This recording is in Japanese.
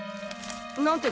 なんて